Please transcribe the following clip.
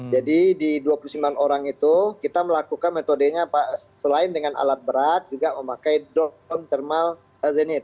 jadi di dua puluh sembilan orang itu kita melakukan metodenya selain dengan alat berat juga memakai donkron thermal zenith